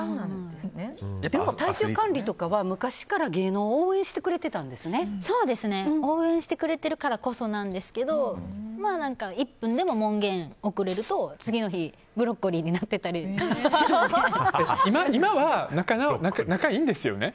でも体重管理とかは昔から芸能を応援してくれているからこそなんですけど１分でも門限遅れると、次の日ブロッコリーになってたり今は仲いいんですよね？